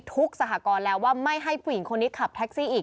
สหกรณ์แล้วว่าไม่ให้ผู้หญิงคนนี้ขับแท็กซี่อีก